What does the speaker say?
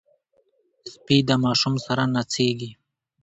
سپي د ماشوم سره نڅېږي.